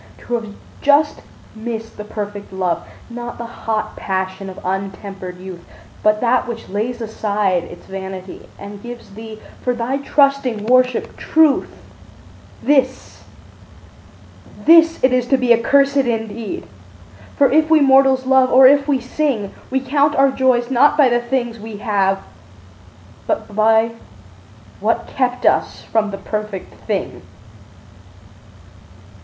To have just missed the perfect love, Not the hot passion of untempered youth, But that which lays aside its vanity And gives thee, for thy trusting worship, truth— This, this it is to be accursed indeed; For if we mortals love, or if we sing, We count our joys not by the things we have, But by what kept us from the perfect thing.